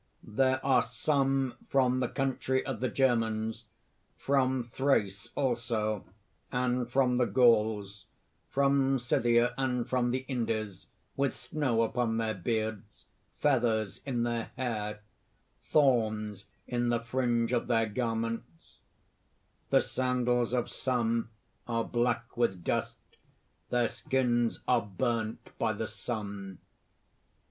_ _There are some from the country of the Germans, from Thrace also, and from the Gauls, from Scythia and from the Indies, with snow upon their beards, feathers in their hair; thorns in the fringe of their garments; the sandals of some are black with dust, their skins are burnt by the sun.